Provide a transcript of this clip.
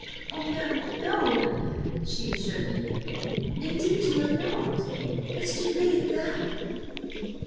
"Oh, no, no!" she assured him. "Indeed, you have not! Must you really go?"